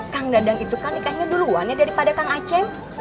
kang dadang itu kan nikahnya duluan ya daripada kang aceh